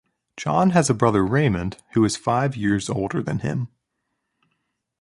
John has a brother Raymond, who is five years older than him.